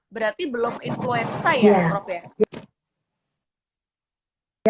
berarti belum influenza ya prof ya